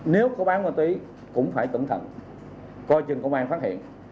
nếu có bán ma túy cũng phải cẩn thận coi chừng công an phát hiện